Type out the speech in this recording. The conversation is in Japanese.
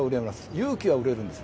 勇気は売れるんです。